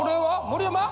盛山？